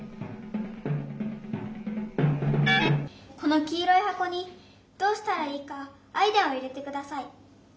このきいろいはこにどうしたらいいかアイデアを入れてください。